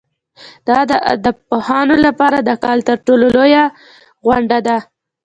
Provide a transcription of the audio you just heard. دا د ادبپوهانو لپاره د کال تر ټولو لویه غونډه ده.